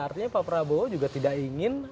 artinya pak prabowo juga tidak ingin